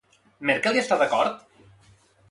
Merkel hi està d'acord?